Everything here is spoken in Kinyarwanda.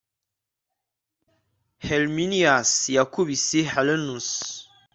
Herminius yakubise Aruns